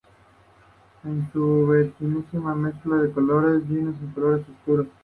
Es su noveno álbum en total.